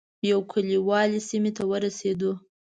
یو کلیوالي سیمې ته ورسېدو.